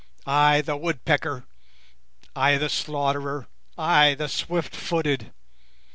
I, the Woodpecker, I, the Slaughterer, I the Swiftfooted!